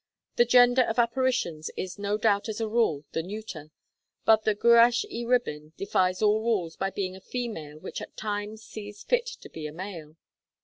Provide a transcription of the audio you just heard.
The gender of apparitions is no doubt as a rule the neuter, but the Gwrach y Rhibyn defies all rules by being a female which at times sees fit to be a male.